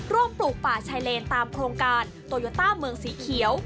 ปลูกป่าชายเลนตามโครงการโตโยต้าเมืองสีเขียว